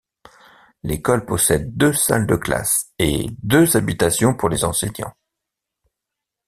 L'école possède deux salles de classe et deux habitations pour les enseignants.